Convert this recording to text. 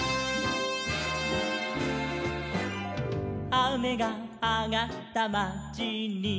「あめがあがったまちに」